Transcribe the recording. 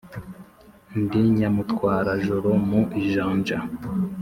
Ndi Nyamutwarajoro mu ijanja,